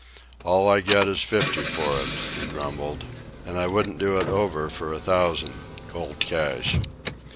"All I get is fifty for it," he grumbled; "an' I wouldn't do it over for a thousand, cold cash."